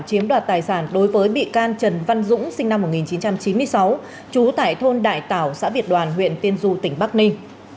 chiếm đoạt tài sản đối với bị can trần văn dũng sinh năm một nghìn chín trăm chín mươi sáu trú tại thôn đại tảo xã việt đoàn huyện tiên du tỉnh bắc ninh